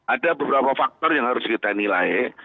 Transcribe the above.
ada beberapa faktor yang harus kita nilai